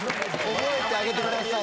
覚えてあげてください